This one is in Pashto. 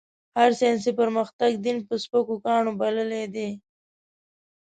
هر ساينسي پرمختګ؛ دين په سپکو کاڼو تللی دی.